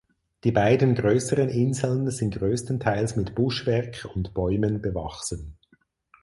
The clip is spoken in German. Die beiden größeren Inseln sind größtenteils mit Buschwerk und Bäumen bewachsen.